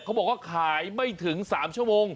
เขาบอกว่าขายไม่ถึง๓ชั่วโมง